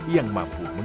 yang bisa dikeluarkan